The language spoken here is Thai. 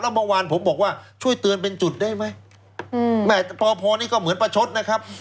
เมื่อวานผมบอกว่าช่วยเตือนเป็นจุดได้ไหมแม่พอพอนี่ก็เหมือนประชดนะครับ